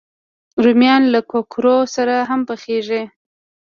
رومیان له کوکرو سره هم پخېږي